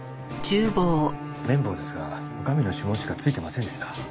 麺棒ですが女将の指紋しかついてませんでした。